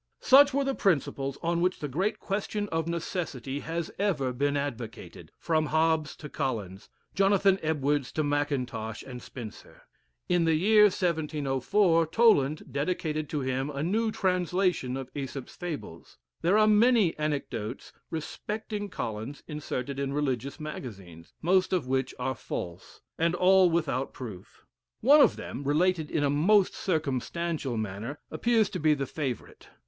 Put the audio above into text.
Such were the principles on which the great question of Necessity has ever been advocated from Hobbes to Collins, Jonathan Ed wards to Mackintosh and Spencer. In the year 1704 Toland dedicated to him a new translation of Æsop's Fables. There are many anecdotes respecting Collins inserted in religious magazines, most of which are false, and all without proof. One of them, related in a most circumstantial manner, appears to be the favorite.